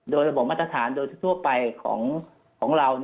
โดยระบบมาตรฐานโดยทั่วไปของเรา